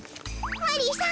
マリーさん